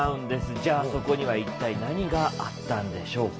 じゃあそこには一体何があったんでしょうか？